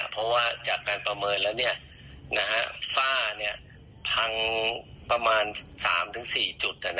มันมีแสนอีกประมาณ๓๔จุด